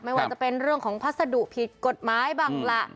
ไม่ว่าจะเป็นเรื่องของพัสดุผิดกฎหมายบ้างล่ะ